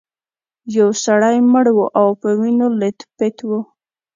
یو سړی مړ و او په وینو لیت پیت و.